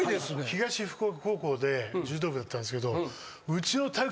東福岡高校で柔道部だったんですけど。